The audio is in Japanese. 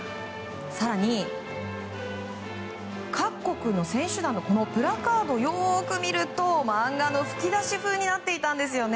更に各国の選手のプラカードをよく見ると漫画の吹き出し風になっていたんです。